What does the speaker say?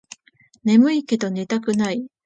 ねむいけど寝たくない